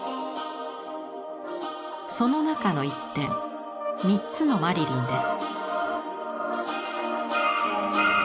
その中の一点「３つのマリリン」です。